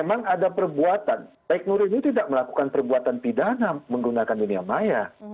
memang ada perbuatan baik nuril itu tidak melakukan perbuatan pidana menggunakan dunia maya